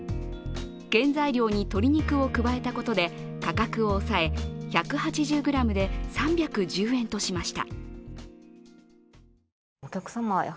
原材料に鶏肉を加えたことで価格を抑え、１８０ｇで３１０円としました。